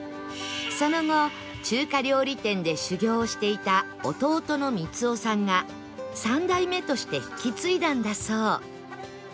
その後中華料理店で修業をしていた弟の光雄さんが３代目として引き継いだんだそう